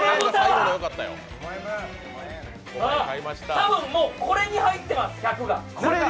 多分、これに入ってます１００が。